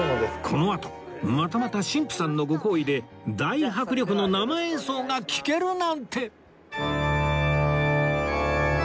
このあとまたまた神父さんのご厚意で大迫力の生演奏が聴けるなんて！